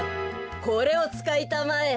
これをつかいたまえ。